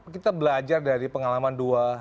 kita belajar dari pengalaman dua ribu delapan belas